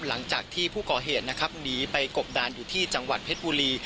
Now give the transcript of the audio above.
หลังจากที่ผู้ก่อเหตุนะครับหนีไปกบดานอยู่ที่จังหวัดเพชรบุรี